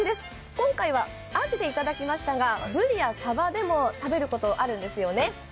今回は、あじでいただきましたが、ぶりやさばでも食べることあるんですよね。